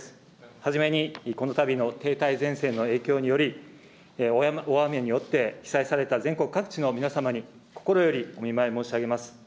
初めに、このたびの停滞前線の影響により、大雨によって被災された全国各地の皆様に、心よりお見舞い申し上げます。